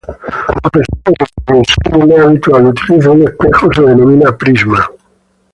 A pesar de que su diseño más habitual utiliza un "espejo", se denomina "prisma".